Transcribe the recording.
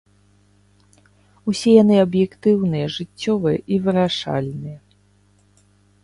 Усе яны аб'ектыўныя, жыццёвыя і вырашальныя.